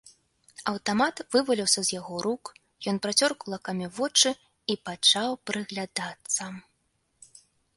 Аўтамат вываліўся з яго рук, ён працёр кулакамі вочы і пачаў прыглядацца.